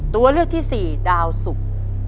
ตัวเลือกที่สี่ดาวสุก